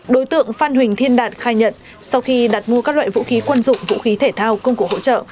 đối tượng phan huỳnh thiên đạt khai nhận sau khi đặt mua các loại vũ khí quân dụng vũ khí thể thao công cụ hỗ trợ